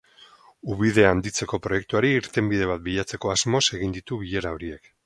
Ubidea handitzeko proiektuari irtenbide bat bilatzeko asmoz egin ditu bilera horiek.